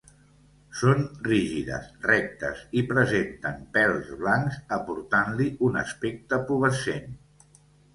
Són rígides, rectes i presenten pèls blancs aportant-li un aspecte pubescent.